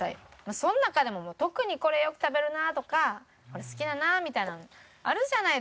その中でも特にこれよく食べるなとかこれ好きだなみたいなんあるじゃないですか。